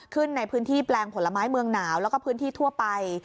ขึ้นในพื้นที่แปลงผลไม้เมืองหนาวแล้วก็พื้นที่ทั่วไป